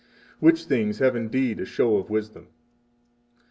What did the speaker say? which things have indeed a show of wisdom.